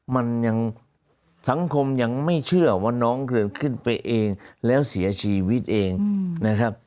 มันยังสังคมยังไม่เชื่อว่าน้องเกิดขึ้นไปเองแล้วเสียชีวิตเองนะครับ